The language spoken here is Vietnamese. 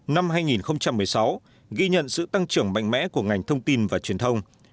năm hai nghìn một mươi sáu ghi nhận sự tăng trưởng mạnh mẽ của ngành thông tin và truyền thông